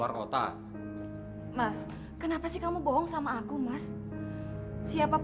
mas kamu kan menendam sih